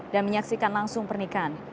dan menyaksikan langsung pernikahan